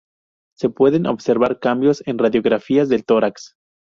Se pueden observar cambios en radiografías del tórax.